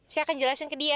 saya akan jelasin ke dia